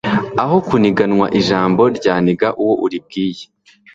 aho kuniganwa ijambo ryaniga uwo uribwiye